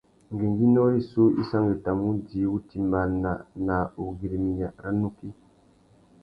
Ngüéngüinô rissú i sangüettamú udjï wutimbāna na wugüirimiya râ nukí.